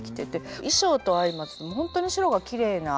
衣装と相まって本当に白がきれいな。